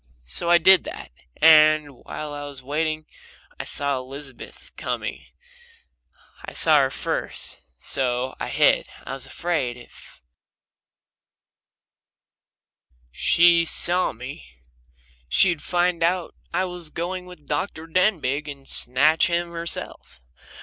So I did that, and while I was waiting I saw Aunt Elizabeth coming I saw her first, so I hid I was afraid if she saw me she'd find out I was going with Dr. Denbigh and snatch him herself.